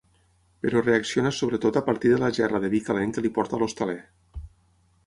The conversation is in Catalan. Però reacciona sobretot a partir de la gerra de vi calent que li porta l'hostaler.